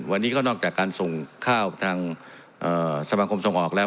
วันนี้ก็นอกจากการส่งข้าวทางสมาคมส่งออกแล้ว